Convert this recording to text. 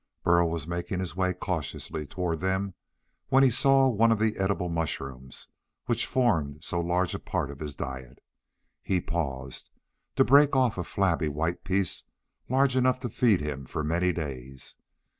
Burl was making his way cautiously toward them when he saw one of the edible mushrooms which formed so large a part of his diet. He paused to break off a flabby white piece large enough to feed him for many days.